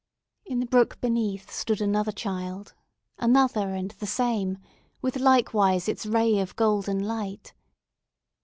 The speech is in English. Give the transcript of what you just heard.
In the brook beneath stood another child—another and the same—with likewise its ray of golden light.